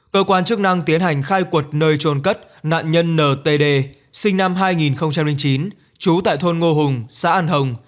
cơ quan chức năng tiến hành khai cuộc nơi trôn cất nạn nhân ntd sinh năm hai nghìn chín chú tại thôn ngô hùng xã an hồng